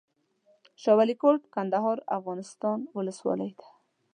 شاه ولي کوټ، کندهار افغانستان ولسوالۍ ده